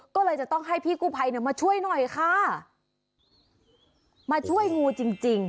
ก็เลยจะต้องให้พี่กู้ภัยเนี่ยมาช่วยหน่อยค่ะมาช่วยงูจริงจริง